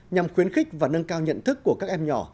nhằm khuyến khích và nâng cao nhận thức của các em nhỏ